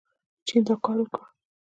چین دا کار وکړ.